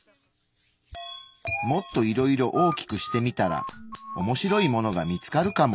もっといろいろ大きくしてみたら面白いものが見つかるかも。